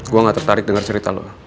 gue gak tertarik denger cerita lo